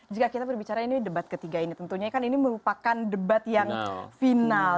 jika kita berbicara ini debat ketiga ini tentunya kan ini merupakan debat yang final